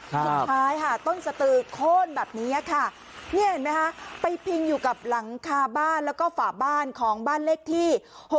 สุดท้ายค่ะต้นสตือโค้นแบบนี้ค่ะนี่เห็นไหมคะไปพิงอยู่กับหลังคาบ้านแล้วก็ฝาบ้านของบ้านเลขที่๖๖